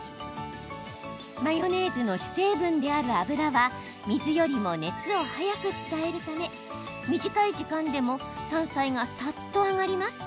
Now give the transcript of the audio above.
マヨネーズの主成分である油は水よりも熱を早く伝えるため短い時間でも山菜がサッと揚がります。